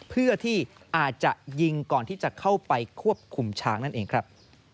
เพื่อที่อาจจะยิงก่อนที่จะเข้าไปควบคุมช้างนั่นเองครับ